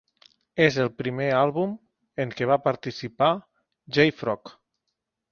És el primer àlbum en què va participar Jay Frog.